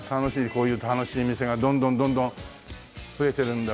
こういう楽しい店がどんどんどんどん増えているんだろうね。